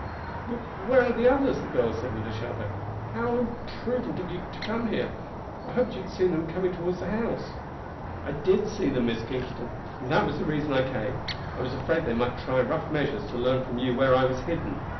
"But where are the others?" the girl said with a shudder. "How imprudent of you to come here! I hoped you had seen them coming toward the house." "I did see them, Miss Kingston, and that was the reason I came. I was afraid they might try rough measures to learn from you where I was hidden.